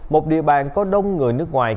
một địa bàn có đông người nước ngoài